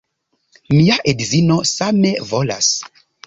Mia edzino same volas.